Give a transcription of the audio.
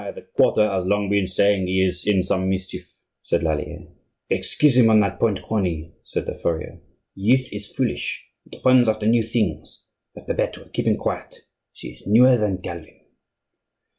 "Why, the quarter has long been saying he is in some mischief," said Lallier. "Excuse him on that point, crony," said the furrier. "Youth is foolish; it runs after new things; but Babette will keep him quiet; she is newer than Calvin."